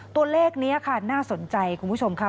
ตัวเลขนี้ค่ะน่าสนใจคุณผู้ชมค่ะ